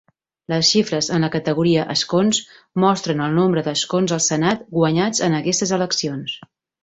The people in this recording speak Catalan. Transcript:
Les xifres en la categoria "Escons" mostren el nombre d'escons al Senat guanyats en aquestes eleccions.